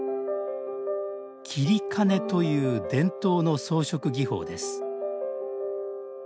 截金という伝統の装飾技法です